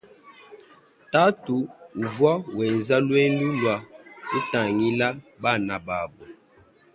Tatu uvwa mwenza lwendu lwa kutangila bana babo.